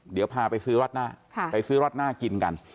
เดี๋ยวพาไปซื้อรัดหน้าไปซื้อรัดหน้ากินกัน